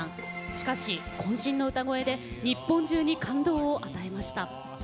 しかしこん身の歌声で日本中に感動を与えました。